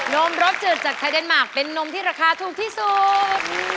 มรสจืดจากไทยเดนมาร์คเป็นนมที่ราคาถูกที่สุด